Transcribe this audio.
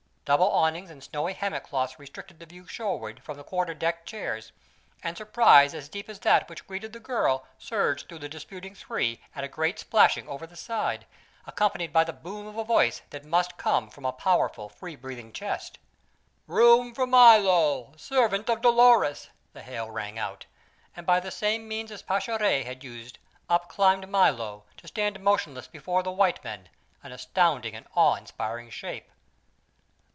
Double awnings and snowy hammock cloths restricted the view shoreward from the quarter deck chairs, and surprise as deep as that which greeted the girl surged through the disputing three at a great splashing over the side, accompanied by the boom of a voice that must come from a powerful, free breathing chest. "Room for Milo, servant of Dolores!" the hail rang out, and by the same means as Pascherette had used, up climbed Milo, to stand motionless before the white men, an astounding and awe inspiring shape.